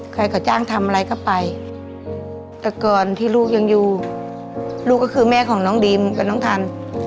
ใครก็จ้างทำอะไรก็ไปแต่ก่อนที่ลูกยังอยู่ลูกก็คือแม่ของน้องดีมกับน้องทัน